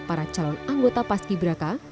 para calon anggota paski braka